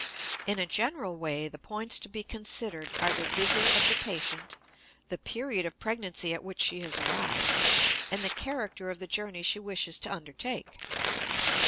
In a general way the points to be considered are the vigor of the patient, the period of pregnancy at which she has arrived, and the character of the journey she wishes to undertake.